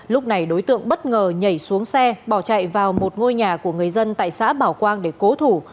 lúc này đối tượng bất ngờ nhảy xuống xe bỏ chạy vào một ngôi nhà của người dân tại xã bảo quang để cố thủ